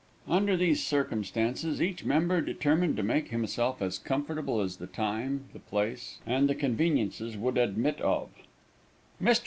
Under these circumstances, each member determined to make himself as comfortable as the time, the place, and the conveniences would admit of. Mr.